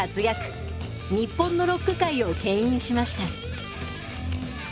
日本のロック界をけん引しました。